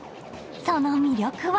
その魅力は。